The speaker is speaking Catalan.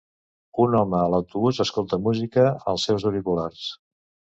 Un home a l'autobús escolta música els seus auriculars.